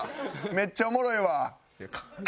めっちゃおもろいわ。